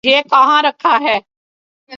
یہ کہاں رکھا ہے؟